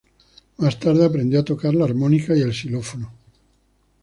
Más tarde aprendió a tocar la armónica y el xilófono.